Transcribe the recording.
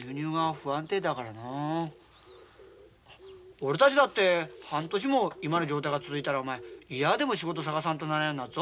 俺たちだって半年も今の状態が続いたらお前嫌でも仕事探さんとならんようになるぞ。